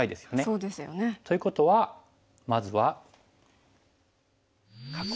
そうですよね。ということはまずは。